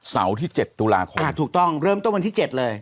ที่๗ตุลาคมถูกต้องเริ่มต้นวันที่๗เลย